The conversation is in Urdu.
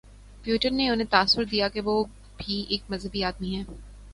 پیوٹن نے انہیں تاثر دیا کہ وہ بھی ایک مذہبی آدمی ہیں۔